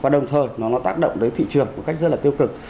đối với thị trường của cách rất là tiêu cực